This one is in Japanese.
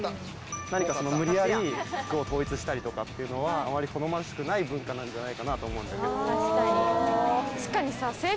何かその無理やり統一したりとかっていうのはあまり好ましくない文化なんじゃないかなと思うんだけど。